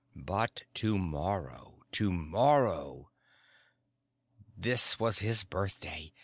But tomorrow, tomorrow.... This was his birthday.